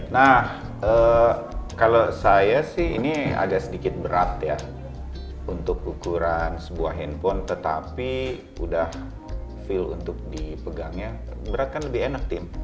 nah kalau saya sih ini agak sedikit berat ya untuk ukuran sebuah handphone tetapi udah feel untuk dipegangnya berat kan lebih enak tim